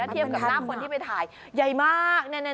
เทียบกับหน้าคนที่ไปถ่ายใหญ่มาก